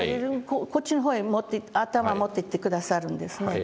こっちの方へ頭を持っていって下さるんですね。